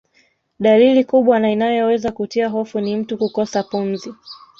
Dalili kubwa na inayoweza kutia hofu ni mtu kukosa pumzi